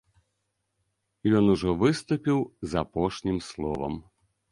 Ён ужо выступіў з апошнім словам.